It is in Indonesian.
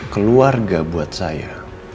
keluarga buat saya